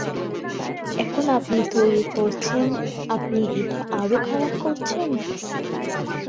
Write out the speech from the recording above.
এখন, আপনি তৈরি করছেন-- আপনি এটি আরও খারাপ করছেন।